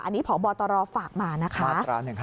อันนี้พบตรฝากมานะคะ